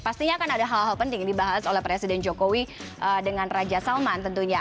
pastinya akan ada hal hal penting yang dibahas oleh presiden jokowi dengan raja salman tentunya